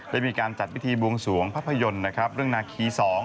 ได้มีการจัดพิธีบวงสวงภาพยนตร์นะครับเรื่องนาคี๒